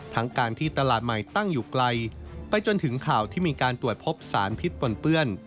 ทั้งการที่ตลาดใหม่ตั้งอยู่ไกลไปจนถึงข่าวที่มีการตรวจพบสารพิษปนเปื้อน